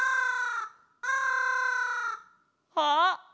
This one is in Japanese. あっ！